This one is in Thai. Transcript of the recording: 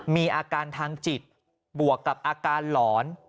มีอาการทางจิตบวกกับอาการหลอน